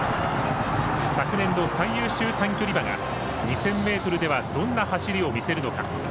昨年の最優秀短距離馬が２０００ｍではどんな走りを見せるのか。